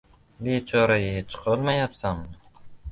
— Bechora-ye, chiqolmayapsanmi?